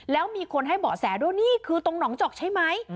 แล้วมีคนให้เบาะแสด้วยนี่คือตรงหนองจอกใช่ไหม